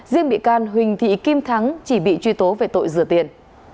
riêng bị can huỳnh thị kim thắng chỉ bị truy tố về tội rửa tiền